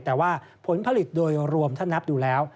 แต่ว่าผลผลิตโดยรวมถ้านับดูแล้ว